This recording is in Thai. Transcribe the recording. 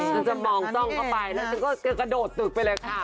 ผมจะมองซ่องเข้าไปกระโดดตึกไปเลยค่ะ